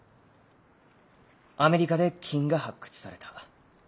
アメリカで金が発掘された。